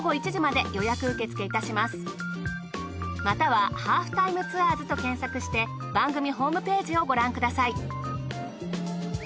または『ハーフタイムツアーズ』と検索して番組ホームページをご覧ください。